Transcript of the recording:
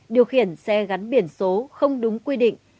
điều khiển xe gắn biển số không đúng quy định